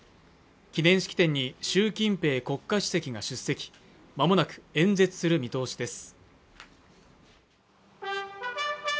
記念式典に習近平国家主席が出席まもなく演説する見通しです